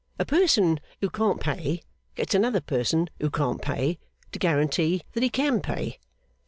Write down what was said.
A person who can't pay, gets another person who can't pay, to guarantee that he can pay.